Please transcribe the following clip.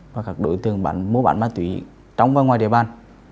và các đối tượng mô bản ma tùy trong và ngoài địa bàn